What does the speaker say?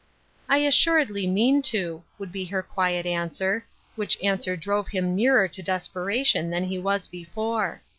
"I assuredly mean to," would be her quiet answer, which answer drove him nearer to des peration than he was before.